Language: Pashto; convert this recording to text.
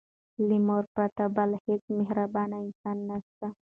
له مور پرته بل هيڅ مهربانه انسان نسته.